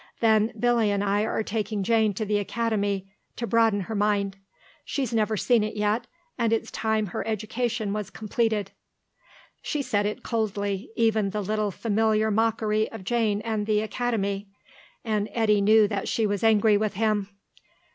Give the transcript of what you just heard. Then Billy and I are taking Jane to the Academy, to broaden her mind. She's never seen it yet, and it's time her education was completed." She said it coldly, even the little familiar mockery of Jane and the Academy, and Eddy knew that she was angry with him.